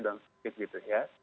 dan sedikit gitu ya